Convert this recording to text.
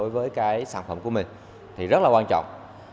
với cái sản phẩm của mình thì rất là quan trọng